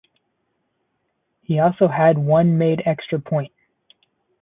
He also had one made extra point.